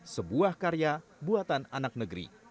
sebuah karya buatan anak negeri